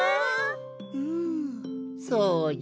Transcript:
うんそうじゃな。